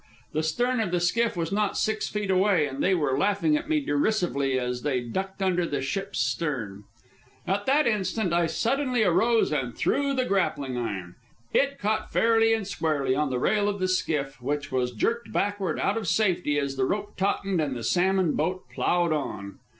The stern of the skiff was not six feet away, and they were laughing at me derisively as they ducked under the ship's stern. At that instant I suddenly arose and threw the grappling iron. It caught fairly and squarely on the rail of the skiff, which was jerked backward out of safety as the rope tautened and the salmon boat ploughed on.